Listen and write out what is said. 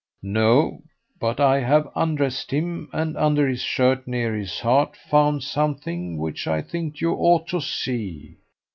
"No; but I have undressed him, and under his shirt near his heart found something which I think you ought to see.